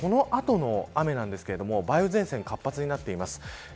そしてこの後の雨なんですけれども梅雨前線が活発になっています。